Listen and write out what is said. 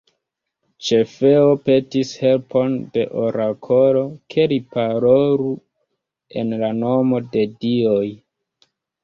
Cefeo petis helpon de orakolo, ke li parolu en la nomo de la dioj.